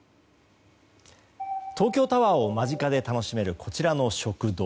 東京タワーを間近で楽しめるこちらの食堂。